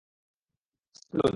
Sir, খুলুন।